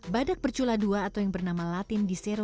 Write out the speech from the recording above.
badak bercula dua atau yang bernama latin dicerorinus